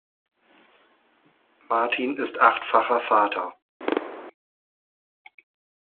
Martin ist achtfacher Vater.